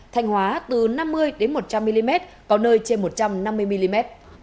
thanh hóa từ năm mươi một trăm linh mm có nơi trên một trăm năm mươi mm